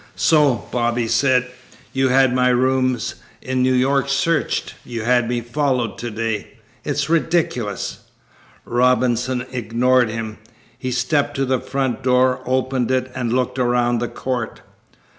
"So," Bobby said, "you had my rooms in New York searched. You had me followed to day. It's ridiculous." Robinson ignored him. He stepped to the front door, opened it, and looked around the court.